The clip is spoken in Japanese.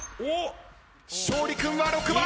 勝利君は６番。